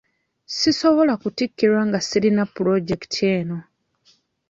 Si sobola kuttikirwa nga sirina pulojekiti eno.